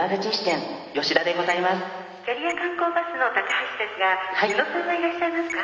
キャリア観光バスの高橋ですが宇野さんはいらっしゃいますか？